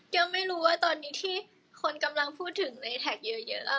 ก็ไม่รู้ว่าตอนนี้ที่คนกำลังพูดถึงในแท็กเยอะแล้ว